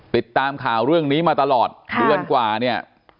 ติดตามข่าวเรื่องนี้มาตลอดเดือนกว่าเนี่ย